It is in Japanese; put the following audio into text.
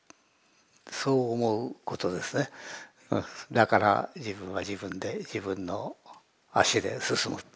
だから自分は自分で自分の足で進む。